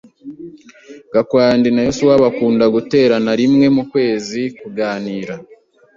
Gakwandi na Yosuwa bakunda guterana rimwe mu kwezi kuganira.